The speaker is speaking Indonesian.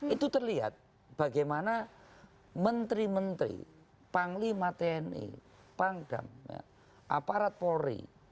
itu terlihat bagaimana menteri menteri panglima tni pangdam aparat polri